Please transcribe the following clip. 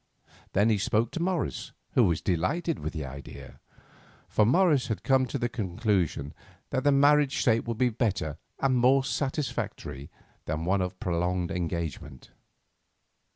Then he spoke to Morris, who was delighted with the idea. For Morris had come to the conclusion that the marriage state would be better and more satisfactory than one of prolonged engagement.